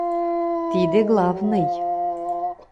Тиде — главный.